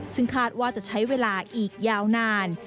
ซึ่งคาดว่าจะใช้เวลาอีกยาวนาน